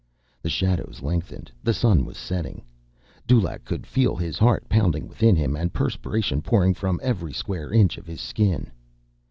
The shadows lengthened. The sun was setting. Dulaq could feel his heart pounding within him and perspiration pouring from every square inch of his skin.